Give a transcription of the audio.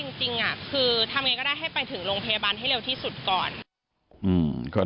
จริงคือทำยังไงก็ได้ให้ไปถึงโรงพยาบาลให้เร็วที่สุดก่อน